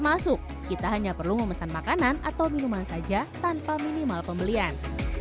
masuk kita hanya perlu memesan makanan atau minuman saja tanpa minimal pembelian